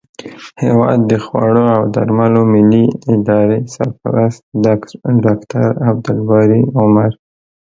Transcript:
هیواد د خوړو او درملو ملي ادارې سرپرست ډاکټر عبدالباري عمر